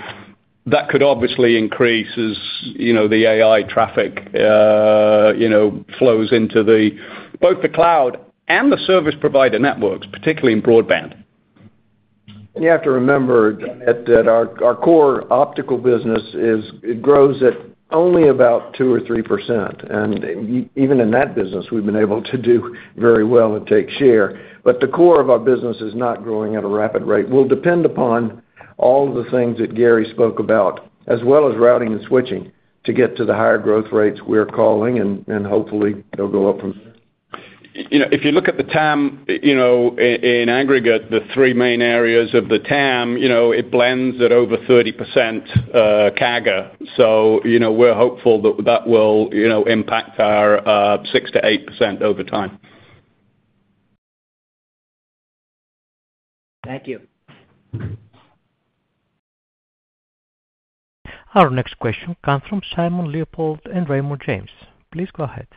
That could obviously increase as, you know, the AI traffic, you know, flows into both the cloud and the service provider networks, particularly in broadband. You have to remember that our core optical business is, it grows at only about 2%-3%, and even in that business, we've been able to do very well and take share. But the core of our business is not growing at a rapid rate. We'll depend upon all of the things that Gary spoke about, as well as routing and switching, to get to the higher growth rates we're calling, and hopefully they'll go up from there. You know, if you look at the TAM, you know, in aggregate, the three main areas of the TAM, you know, it blends at over 30% CAGR. So, you know, we're hopeful that, that will, you know, impact our 6%-8% over time. Thank you. Our next question comes from Simon Leopold and Raymond James. Please go ahead.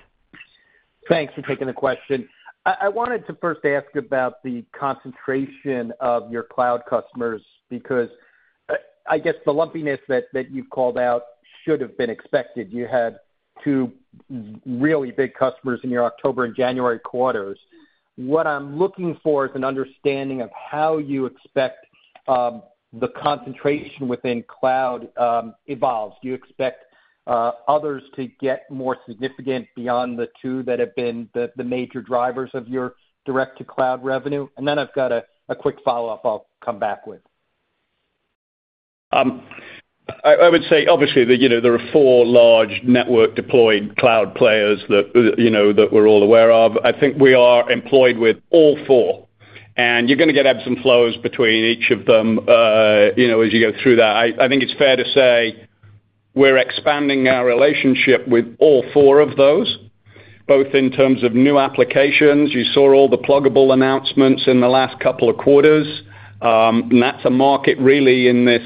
Thanks for taking the question. I wanted to first ask about the concentration of your cloud customers, because I guess the lumpiness that you've called out should have been expected. You had two really big customers in your October and January quarters. What I'm looking for is an understanding of how you expect the concentration within cloud evolves. Do you expect others to get more significant beyond the two that have been the major drivers of your direct-to-cloud revenue? And then I've got a quick follow-up I'll come back with. I would say, obviously, that you know there are four large network-deployed cloud players that you know that we're all aware of. I think we are employed with all four, and you're going to get ebbs and flows between each of them, you know, as you go through that. I think it's fair to say we're expanding our relationship with all four of those, both in terms of new applications. You saw all the pluggable announcements in the last couple of quarters, and that's a market really in this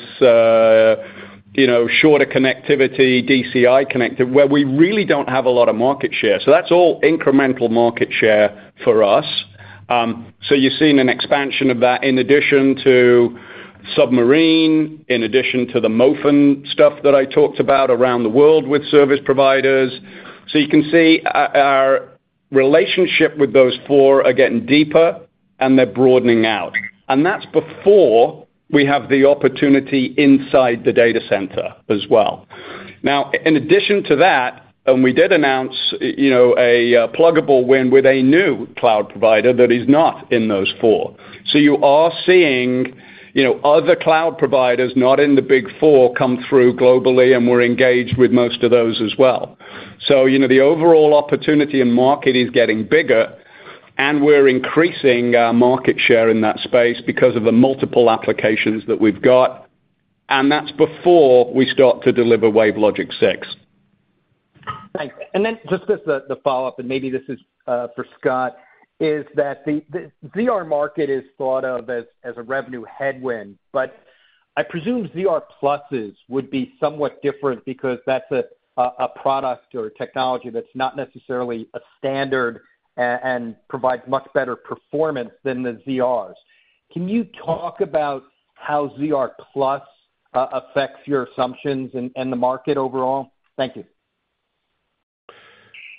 you know shorter connectivity, DCI connector, where we really don't have a lot of market share. So that's all incremental market share for us. So you've seen an expansion of that in addition to submarine, in addition to the MOFN stuff that I talked about around the world with service providers. So you can see our relationship with those four are getting deeper, and they're broadening out, and that's before we have the opportunity inside the data center as well. Now, in addition to that, and we did announce, you know, a pluggable win with a new cloud provider that is not in those four. So you are seeing, you know, other cloud providers, not in the big four, come through globally, and we're engaged with most of those as well. So, you know, the overall opportunity in market is getting bigger, and we're increasing our market share in that space because of the multiple applications that we've got, and that's before we start to deliver WaveLogic 6. Thanks. And then just as a follow-up, and maybe this is for Scott, is that the ZR market is thought of as a revenue headwind, but I presume ZR pluses would be somewhat different because that's a product or a technology that's not necessarily a standard and provides much better performance than the ZRs. Can you talk about how ZR plus affects your assumptions in the market overall? Thank you.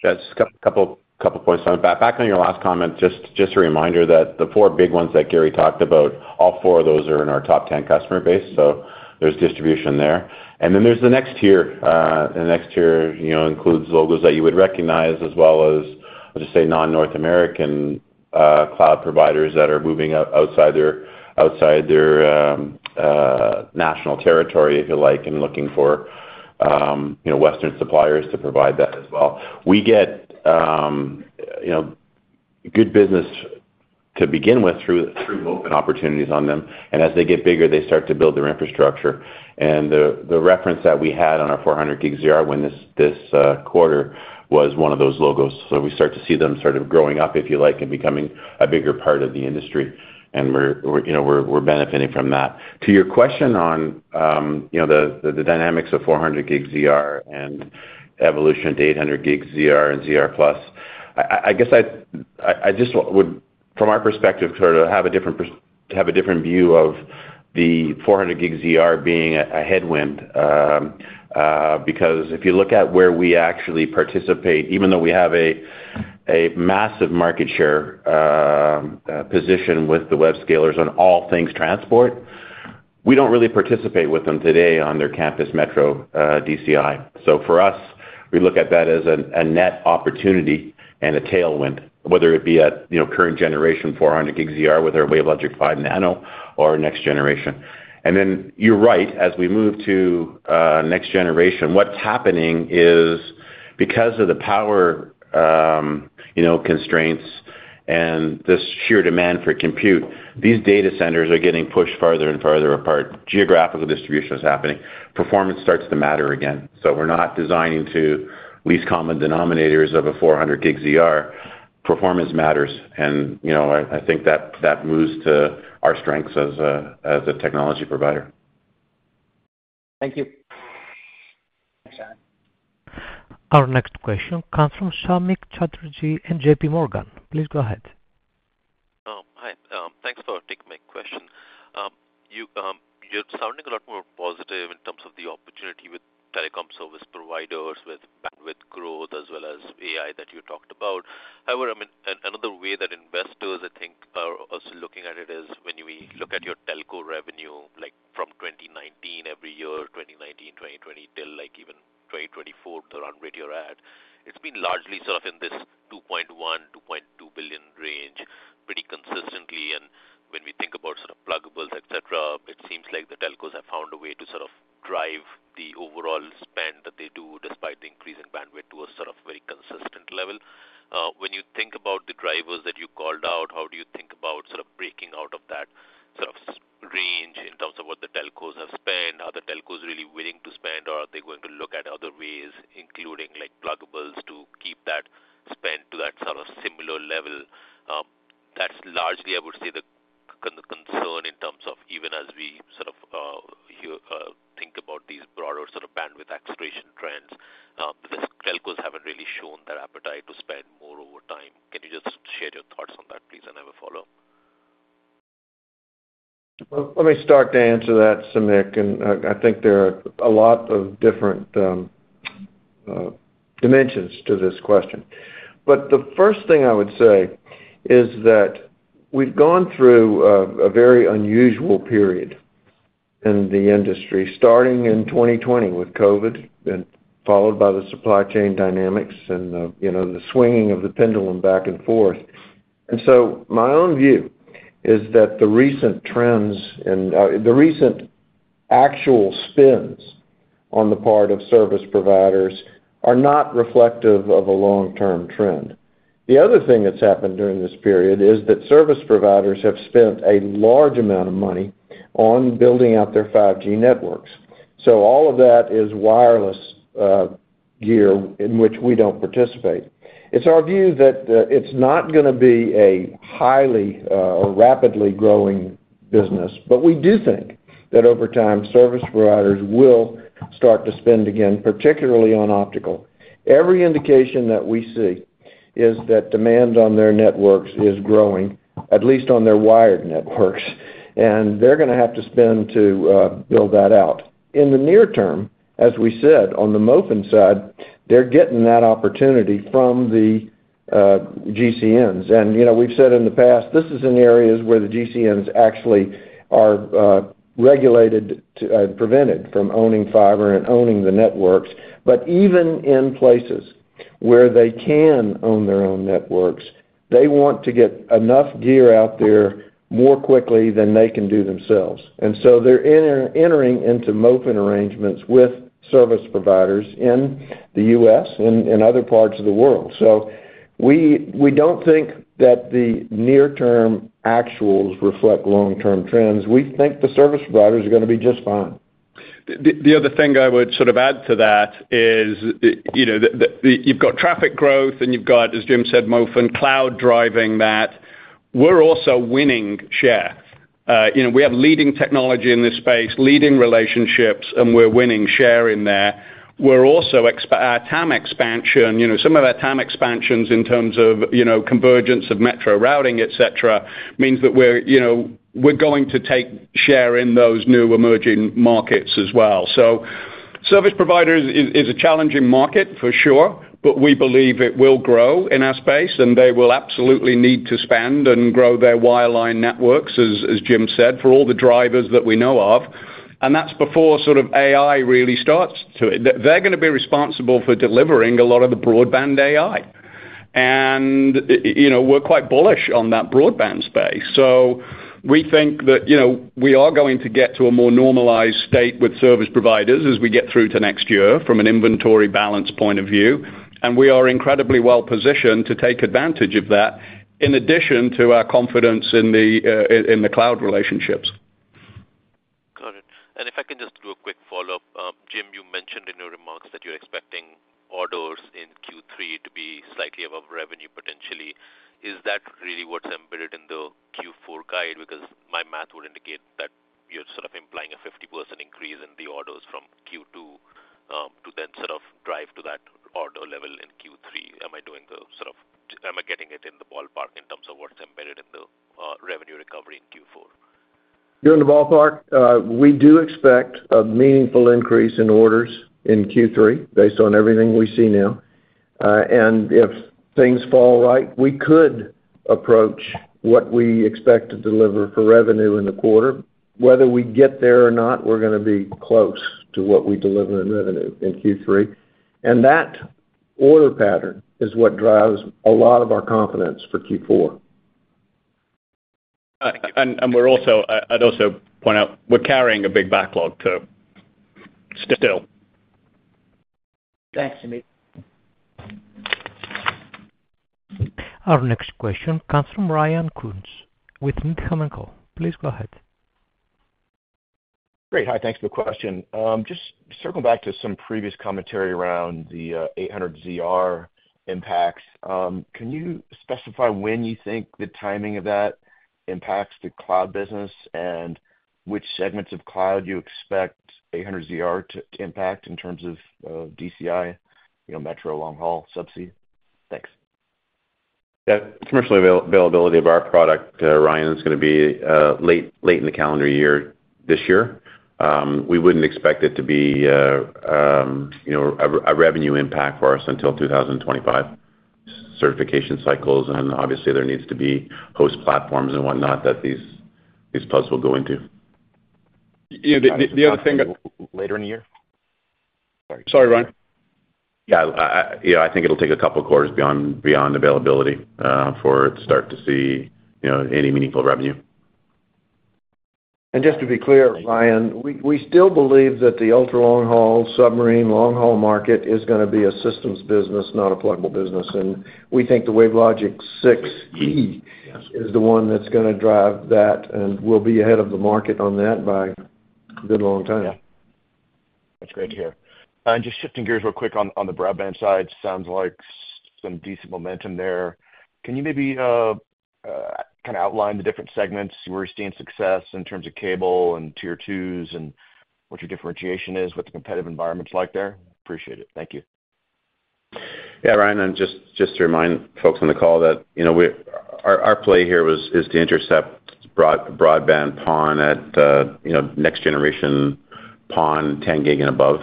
Yes, just a couple points on that. Back on your last comment, just a reminder that the four big ones that Gary talked about, all four of those are in our top 10 customer base, so there's distribution there. And then there's the next tier. The next tier, you know, includes logos that you would recognize, as well as, let's just say, non-North American cloud providers that are moving outside their national territory, if you like, and looking for, you know, Western suppliers to provide that as well. We get, you know, good business to begin with through open opportunities on them, and as they get bigger, they start to build their infrastructure. And the reference that we had on our 400G ZR win this quarter was one of those logos. So we start to see them sort of growing up, if you like, and becoming a bigger part of the industry, and we're, you know, benefiting from that. To your question on, you know, the dynamics of 400ZR and evolution to 800ZR and ZR+. I guess I just would, from our perspective, sort of have a different view of the 400ZR being a headwind, because if you look at where we actually participate, even though we have a massive market share position with the web scalers on all things transport, we don't really participate with them today on their campus metro DCI. So for us, we look at that as a net opportunity and a tailwind, whether it be at, you know, current generation 400 gig ZR with our WaveLogic 5 Nano or next generation. And then, you're right, as we move to next generation, what's happening is, because of the power, you know, constraints and this sheer demand for compute, these data centers are getting pushed farther and farther apart. Geographical distribution is happening. Performance starts to matter again. So we're not designing to least common denominators of a 400 gig ZR. Performance matters, and, you know, I think that moves to our strengths as a technology provider. Thank you. Our next question comes from Samik Chatterjee in J.P. Morgan. Please go ahead. Hi, thanks for taking my question. You're sounding a lot more positive in terms of the opportunity with telecom service providers, with bandwidth growth, as well as AI that you talked about. However, I mean, another way that investors, I think, are also looking at it is when we look at your telco revenue, like from 2019 every year, 2019, 2020, till, like, even 2024 around where you're at, it's been largely sort of in this $2.1-$2.2 billion range, pretty consistently. When we think about sort of pluggables, et cetera, it seems like the telcos have found a way to sort of drive the overall spend that they do, despite the increase in bandwidth, to a sort of very consistent level. When you think about the drivers that you called out, how do you think about sort of breaking out of that sort of range in terms of what the telcos have spent? Are the telcos really willing to spend, or are they going to look at other ways, including, like, pluggables, to keep that spend to that sort of similar level? That's largely, I would say, the concern in terms of even as we sort of think about these broader sort of bandwidth acceleration trends, because telcos haven't really shown their appetite to spend more over time. Can you just share your thoughts on that, please, and I have a follow-up? Well, let me start to answer that, Samik, and I, I think there are a lot of different dimensions to this question. But the first thing I would say is that we've gone through a very unusual period in the industry, starting in 2020 with COVID, then followed by the supply chain dynamics and the, you know, the swinging of the pendulum back and forth. And so my own view is that the recent trends and the recent actual spends on the part of service providers are not reflective of a long-term trend. The other thing that's happened during this period is that service providers have spent a large amount of money on building out their 5G networks. So all of that is wireless gear in which we don't participate. It's our view that, it's not gonna be a highly, or rapidly growing business, but we do think that over time, service providers will start to spend again, particularly on optical. Every indication that we see is that demand on their networks is growing, at least on their wired networks, and they're gonna have to spend to, build that out. In the near term, as we said, on the MOFN side, they're getting that opportunity from the, GCNs. And, you know, we've said in the past, this is in areas where the GCNs actually are, regulated to, prevented from owning fiber and owning the networks. But even in places where they can own their own networks, they want to get enough gear out there more quickly than they can do themselves. And so they're entering into MOFN arrangements with service providers in the U.S. and other parts of the world. So we don't think that the near-term actuals reflect long-term trends. We think the service providers are gonna be just fine. The other thing I would sort of add to that is, you know, you've got traffic growth, and you've got, as James said, MOFN Cloud driving that. We're also winning share. You know, we have leading technology in this space, leading relationships, and we're winning share in there. We're also TAM expansion, you know, some of our TAM expansions in terms of, you know, convergence of metro routing, et cetera, means that we're, you know, we're going to take share in those new emerging markets as well. So service providers is a challenging market, for sure, but we believe it will grow in our space, and they will absolutely need to spend and grow their wireline networks, as James said, for all the drivers that we know of, and that's before sort of AI really starts to... They're gonna be responsible for delivering a lot of the broadband AI. And, you know, we're quite bullish on that broadband space. We think that, you know, we are going to get to a more normalized state with service providers as we get through to next year from an inventory balance point of view, and we are incredibly well positioned to take advantage of that, in addition to our confidence in the cloud relationships. Got it. And if I can just do a quick follow-up. James, you mentioned in your remarks that you're expecting orders in Q3 to be slightly above revenue, potentially. Is that really what's embedded in the Q4 guide? Because my math would indicate that you're sort of implying a 50% increase in the orders from Q2 to then sort of drive to that order level in Q3. Am I getting it in the ballpark in terms of what's embedded in the revenue recovery in Q4? You're in the ballpark. We do expect a meaningful increase in orders in Q3, based on everything we see now. And if things fall right, we could approach what we expect to deliver for revenue in the quarter. Whether we get there or not, we're gonna be close to what we deliver in revenue in Q3. And that order pattern is what drives a lot of our confidence for Q4. We're also—I'd also point out, we're carrying a big backlog, too, still. Thanks, Sumia. Our next question comes from Ryan Koontz with Goldman Sachs. Please go ahead. Great. Hi, thanks for the question. Just circling back to some previous commentary around the 800ZR impacts. Can you specify when you think the timing of that impacts the cloud business, and which segments of cloud you expect 800ZR to impact in terms of, DCI, you know, metro, long haul, subsea? Thanks. Yeah, commercial availability of our product, Ryan, is gonna be late in the calendar year, this year. We wouldn't expect it to be, you know, a revenue impact for us until 2025. Certification cycles, and obviously, there needs to be host platforms and whatnot that these pluggables will go into. Yeah, the other thing that- Later in the year? Sorry. Sorry, Ryan. Yeah, you know, I think it'll take a couple of quarters beyond availability before it start to see, you know, any meaningful revenue. And just to be clear, Ryan, we, we still believe that the ultra long haul, submarine long haul market is gonna be a systems business, not a pluggable business. And we think the WaveLogic 6e is the one that's gonna drive that, and we'll be ahead of the market on that by a good long time. Yeah. That's great to hear. And just shifting gears real quick on the broadband side. Sounds like some decent momentum there. Can you maybe, kind of outline the different segments where you're seeing success in terms of cable and Tier 2s, and what your differentiation is, what the competitive environment is like there? Appreciate it. Thank you. Yeah, Ryan, and just to remind folks on the call that, you know, our play here was, is to intercept broadband PON at, you know, next-generation PON, 10 gig and above.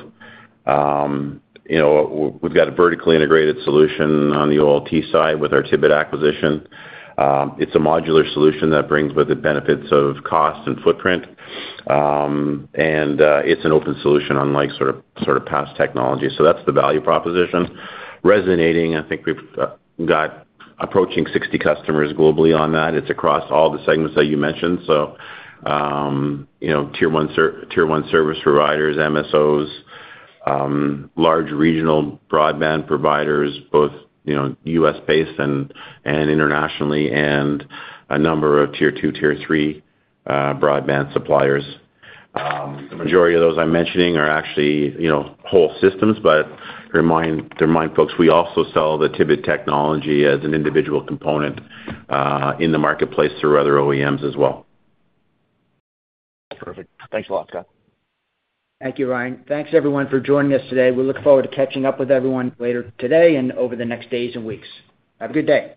You know, we've got a vertically integrated solution on the OLT side with our Tibit acquisition. It's a modular solution that brings with it benefits of cost and footprint. And, it's an open solution, unlike sort of past technology. So that's the value proposition. Resonating, I think we've got approaching 60 customers globally on that. It's across all the segments that you mentioned. So, you know, tier one service providers, MSOs, large regional broadband providers, both, you know, U.S.-based and internationally, and a number of tier two, tier three broadband suppliers. The majority of those I'm mentioning are actually, you know, whole systems, but to remind folks, we also sell the Tibit technology as an individual component in the marketplace through other OEMs as well. Perfect. Thanks a lot, Scott. Thank you, Ryan. Thanks, everyone, for joining us today. We look forward to catching up with everyone later today and over the next days and weeks. Have a good day.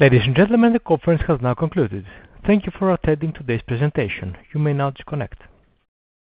Ladies and gentlemen, the conference has now concluded. Thank you for attending today's presentation. You may now disconnect.